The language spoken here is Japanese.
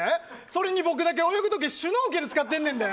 それに僕だけ、泳ぐ時シュノーケル使ってるねんで！